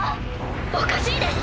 おかしいです！